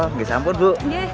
nggak sampe bu